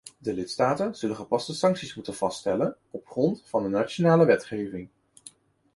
De lidstaten zullen gepaste sancties moeten vaststellen op grond van hun nationale wetgeving.